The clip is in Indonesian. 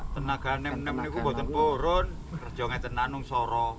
tenaga namanya buatan puan kerjaan kita nanti sama